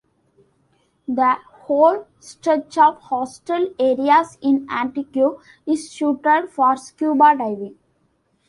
The whole stretch of coastal areas in Antique is suited for scuba diving.